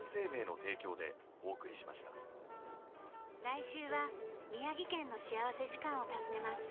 来週は宮城県の幸福時間を訪ねます。